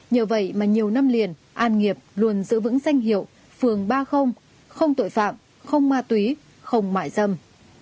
nhờ vậy mà nhiều năm liền an nghiệp luôn giữ vững danh hiệu phường ba không không tội phạm không ma túy không mại dâm